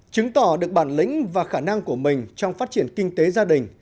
chứng tỏ được bản lĩnh và khả năng của mình trong phát triển kinh tế gia đình